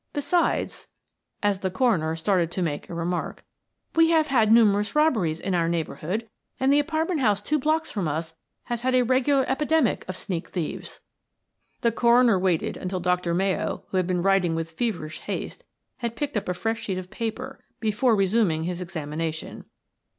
Besides," as the coroner started to make a remark, "we have had numerous robberies in our neighborhood, and the apartment house two blocks from us has had a regular epidemic of sneak thieves." The coroner waited until Dr. Mayo, who had been writing with feverish haste, had picked up a fresh sheet of paper before resuming his examination.